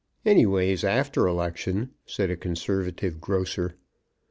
"Any ways, after election," said a conservative grocer.